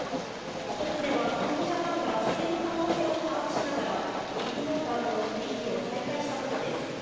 １つ目は損保ジャパンが不正の可能性を把握しながらビッグモーターとの取り引きを再開したことです。